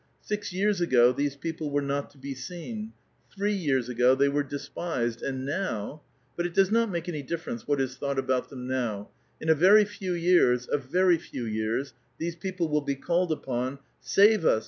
Six years ago these people were ^^ ot to be seen ; three years ago they were despised ; and *:iow !— but it does not make anv difference what is thoueht «^l>out them now ; in a very few years, a very few years, these l>eople will be called upon, " Save us